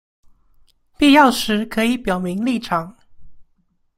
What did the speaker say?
必要時可以表明立場